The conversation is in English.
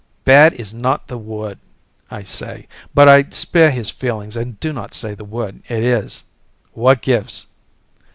"Bad is not the word," I say, but I spare his feelings and do not say the word it is. "What gives?"